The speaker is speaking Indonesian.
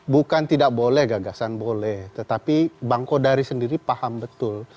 bukan tidak boleh gagasan boleh tetapi bang kodari sendiri paham betul